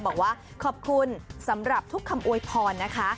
บอกว่าขอบคุณสำหรับทุกคำอวยพรนะคะ